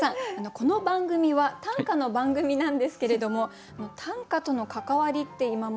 この番組は短歌の番組なんですけれども短歌との関わりって今までございましたか？